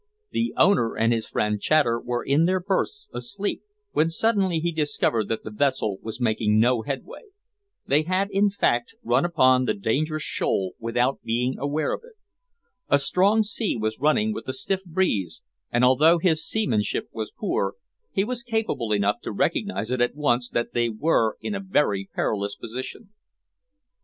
The owner and his friend Chater were in their berths asleep, when suddenly he discovered that the vessel was making no headway. They had, in fact, run upon the dangerous shoal without being aware of it. A strong sea was running with a stiff breeze, and although his seamanship was poor, he was capable enough to recognize at once that they were in a very perilous position.